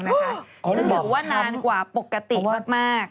ซึ่งถือว่านานกว่าปกติมาก